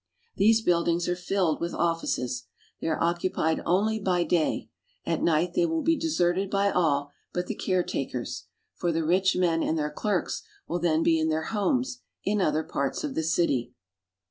These buildings are filled with offices. They are occupied only by day ; at night they will be deserted by all but the care takers, for the rich men and their clerks will then be in their homes in other parts of the city.